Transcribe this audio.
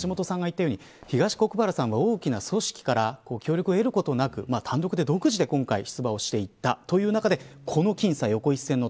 東国原さんが大きな組織から協力を得ることなく単独で出馬をしていた中でこの僅差。